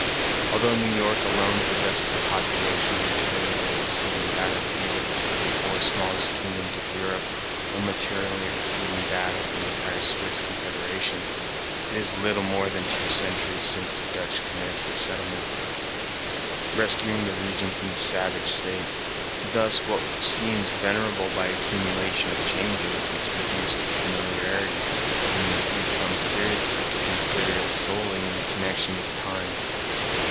Although New York alone possesses a population materially exceeding that of either of the four smallest kingdoms of Europe, or materially exceeding that of the entire Swiss Confederation, it is little more than two centuries since the Dutch commenced their settlement, rescuing the region from the savage state. Thus, what seems venerable by an accumulation of changes is reduced to familiarity when we come seriously to consider it solely in connection with time.